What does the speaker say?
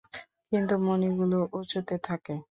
কিন্তু মণিগুলো উঁচুতে থাকে।